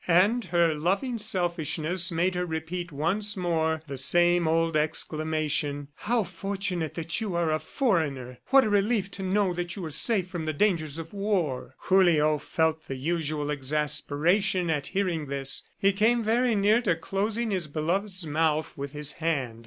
And her loving selfishness made her repeat once more the same old exclamation "How fortunate that you are a foreigner! ... What a relief to know that you are safe from the dangers of war!" Julio felt the usual exasperation at hearing this. He came very near to closing his beloved's mouth with his hand.